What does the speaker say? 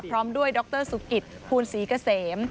พร้อมด้วยดรสุกิตภูลศรีเกษม